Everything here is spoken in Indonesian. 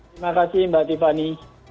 terima kasih mbak tiffany